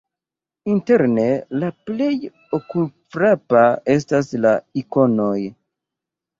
Interne la plej okulfrapa estas la ikonoj.